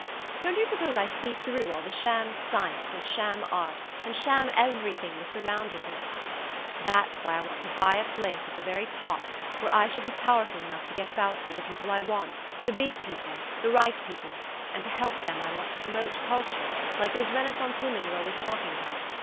Don't you suppose I see through all the sham science and sham art and sham everything we're surrounded with? That's why I want to buy a place at the very top, where I shall be powerful enough to get about me the people I want, the big people, the right people, and to help them I want to promote culture, like those Renaissance women you're always talking about.